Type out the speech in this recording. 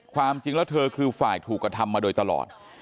ความจริงแล้วเธอคือฝ่ายถูกกระทำมาโดยตลอด